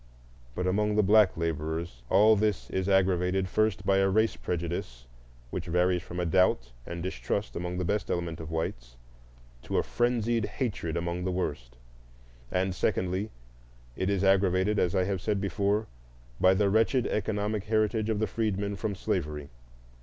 But among the black laborers all this is aggravated, first, by a race prejudice which varies from a doubt and distrust among the best element of whites to a frenzied hatred among the worst; and, secondly, it is aggravated, as I have said before, by the wretched economic heritage of the freedmen from slavery.